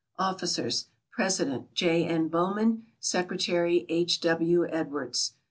Officers: President, J. N. Bowman; secretary, H. W. Edwards.